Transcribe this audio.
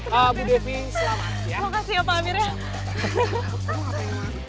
apa yang apa ya